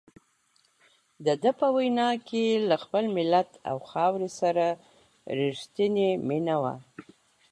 دده په وینا کې له خپل ملت او خاورې سره رښتیني مینه وه.